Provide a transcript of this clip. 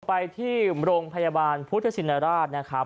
ปล่อยไปที่โรงพยาบาลภูทชชินราษนะครับ